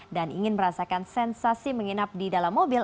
dan ingin merasakan sensasi menginap di dalam mobil